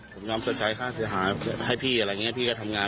ผมยอมชดใช้ค่าเสียหายให้พี่อะไรอย่างนี้พี่ก็ทำงาน